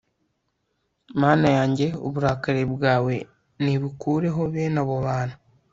mana yanjye, uburakari bwawe nibukureho bene abo bantu